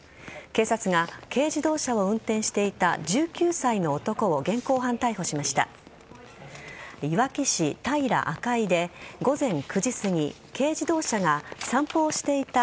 警察が軽自動車を運転していた１９歳の男を現行犯逮捕しました。